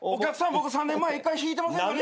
僕３年前１回ひいてませんかね？